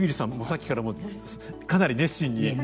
さっきからかなり熱心に。